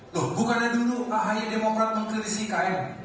loh bukannya dulu ahi demokrat mengkritisi ikm